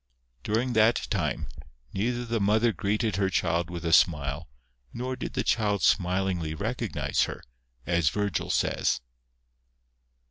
During that time, neither the mother greeted her child with a smile, nor did the child smil ingly recognise her, as Virgil says.